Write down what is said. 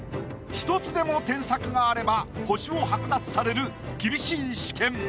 １つでも添削があれば星を剥奪される厳しい試験。